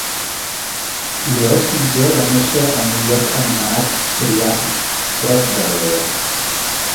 Lleó V va néixer en un lloc anomenat Priapi, prop d'Ardea.